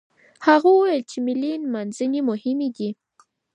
هغه وويل چې ملي نمانځنې مهمې دي.